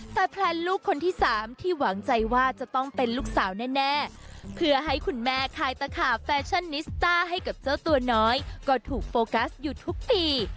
แต่แพลนลูกคนที่สามที่หวังใจว่าจะต้องเป็นลูกสาวแน่เพื่อให้คุณแม่ขายตะขาบแฟชั่นนิสต้าให้กับเจ้าตัวน้อยก็ถูกโฟกัสอยู่ทุกปี